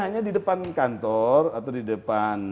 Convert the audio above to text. hanya di depan kantor atau di depan